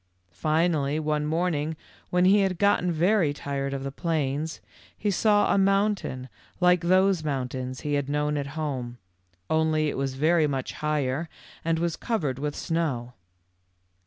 Finally, one morning when he had gotten very tired of the plains, he saw a mountain like those mountains he had known at home, only it was very much higher and was covered with snow.